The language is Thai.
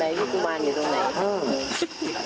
ไหนพี่กุมารอยู่ตรงไหน